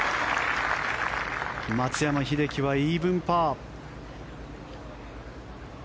松山英樹はイーブンパー。